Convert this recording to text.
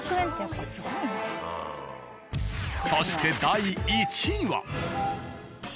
そして第１位は。